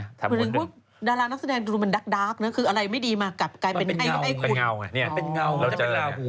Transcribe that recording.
ดารานักแสดงดูเหมือนดักคืออะไรไม่ดีมากกลายเป็นไอ้คุณ